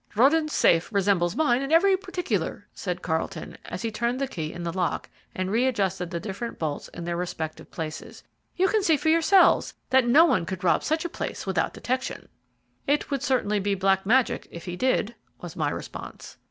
"Röden's safe resembles mine in every particular," said Carlton, as he turned the key in the lock and readjusted the different bolts in their respective places. "You can see for yourselves that no one could rob such a safe without detection." "It would certainly be black magic if he did," was my response.